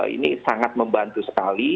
ini sangat membantu sekali